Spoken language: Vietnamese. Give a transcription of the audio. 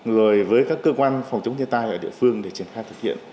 rồi với các cơ quan phòng chống thiên tai ở địa phương để triển khai thực hiện